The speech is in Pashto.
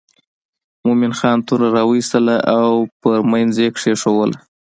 مومن خان توره را وایستله او په منځ یې کېښووله.